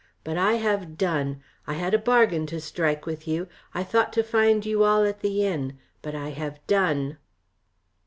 But I have done. I had a bargain to strike with you, I thought to find you all at the inn but I have done."